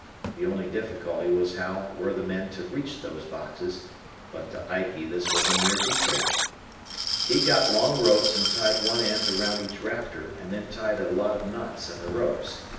The only difficulty was how were the men to reach these boxes, but to Ikey this was a mere detail. He got long ropes and tied one end around each rafter and then tied a lot of knots in the ropes.